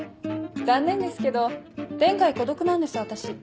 残念ですけど天涯孤独なんです私。